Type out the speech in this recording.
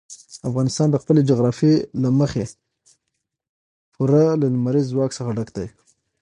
افغانستان د خپلې جغرافیې له مخې پوره له لمریز ځواک څخه ډک دی.